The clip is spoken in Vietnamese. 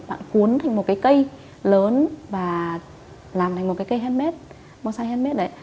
bạn cuốn thành một cây lớn và làm thành một cây handmade